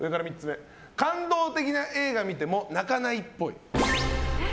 感動的な映画を見ても泣かないっぽい。